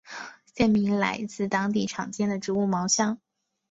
县名来自当地常见的植物茅香。